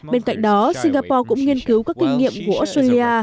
bên cạnh đó singapore cũng nghiên cứu các kinh nghiệm của australia